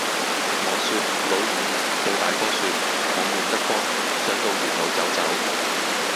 我説「老五，對大哥説，我悶得慌，想到園裏走走。」